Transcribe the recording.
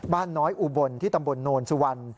บ้านน้อยอุบลที่ตำบลโนนสุวรรณ